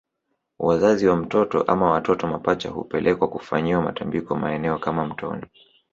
Wazazi wa mtoto ama watoto mapacha hupelekwa kufanyiwa matambiko maeneo kama mtoni